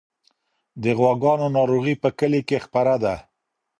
د غواګانو ناروغي په کلي کې خپره ده.